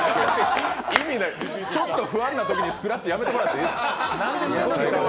ちょっと不安なときにスクラッチ、やめてもらっていいですか？